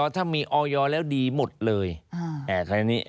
ถ้ามีออยอแล้วดีหมดเลยแอ๊ะพี่อย่านี้